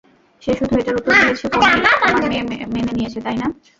সে শুধু এটার উত্তর দিয়েছে পনির, তোমার মেয়ে মেনে নিয়েছে, তাই না?